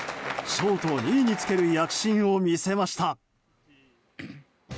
ショート２位につける躍進を見せました。